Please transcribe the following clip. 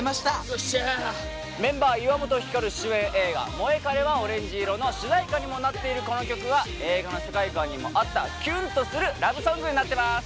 よっしゃーっメンバー岩本照主演映画「モエカレはオレンジ色」の主題歌にもなっているこの曲は映画の主題歌にも合ったキュンとするラブソングになってます